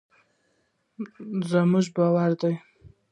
دا زموږ باور دی.